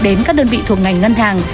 đến các đơn vị thuộc ngành ngân hàng